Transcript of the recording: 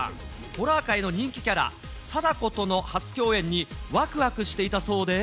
ホラー界の人気キャラ、貞子との初共演にわくわくしていたそうで。